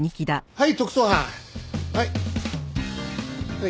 はい。